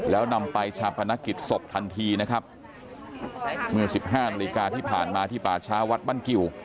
แล้วนำไปฉับพนักกิจศพทันทีนะครับมือสิบห้าน